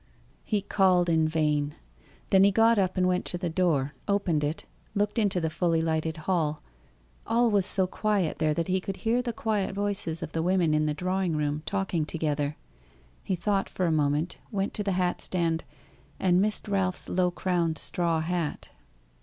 he called in vain; then he got up and went to the door, opened it, looked into the fully lighted hall; all was so quiet there that he could hear the quiet voices of the women in the drawing room talking together. He thought for a moment, went to the hat stand, and missed Ralph's low crowned straw hat.